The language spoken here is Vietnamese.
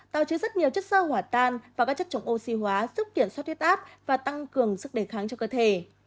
táo chứa rất nhiều chất sơ hỏa tan và các chất trống oxy hóa giúp kiểm soát nguyết áp và tăng cường sức đề kháng cho cơ thể